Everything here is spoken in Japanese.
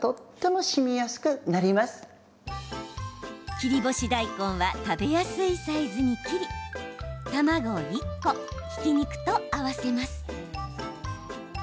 切り干し大根は食べやすいサイズに切り卵１個、ひき肉と合わせます。